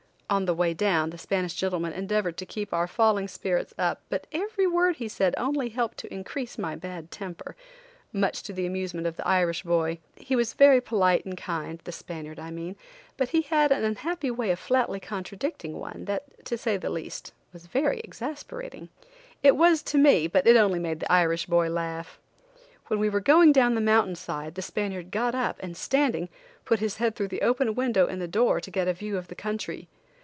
On the way down, the Spanish gentlemen endeavored to keep our falling spirits up, but every word he said only helped to increase my bad temper, much to the amusement of the Irish boy. He was very polite and kind, the Spaniard, I mean, but he had an unhappy way of flatly contradicting one, that, to say the least, was very exasperating. It was to me, but it only made the Irish boy laugh. When we were going down the mountain side the Spaniard got up, and standing, put his head through the open window in the door to get a view of the country.